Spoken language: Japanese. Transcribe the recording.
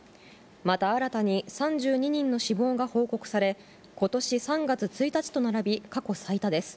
また新たに３２人の死亡が報告され、ことし３月１日と並び、過去最多です。